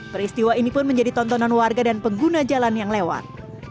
peristiwa ini pun menjadi tontonan warga dan pengguna jalan yang lewat